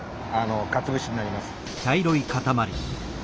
かつお節になります。